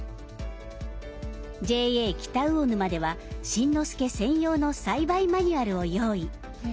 ＪＡ北魚沼では新之助専用の栽培マニュアルを用意。